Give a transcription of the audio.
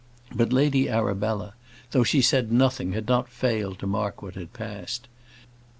But Lady Arabella, though she said nothing, had not failed to mark what had passed.